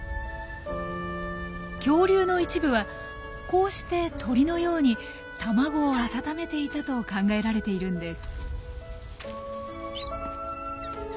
恐竜の一部はこうして鳥のように卵を温めていたと考えられているんです。